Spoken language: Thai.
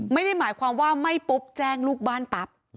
ไม่ได้หมายความว่าไม่ปุ๊บแจ้งลูกบ้านปั๊บ